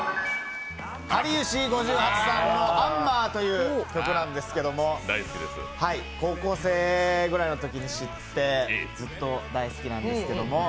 かりゆし５８さんの「アンマー」という曲なんですけど高校生くらいのときに知って、ずっと大好きなんですけど。